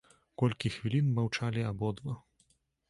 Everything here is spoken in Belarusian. Колькі хвілін маўчалі абодва.